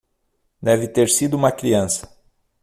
Deve ter sido uma criança.